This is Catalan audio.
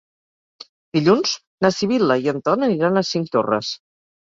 Dilluns na Sibil·la i en Ton aniran a Cinctorres.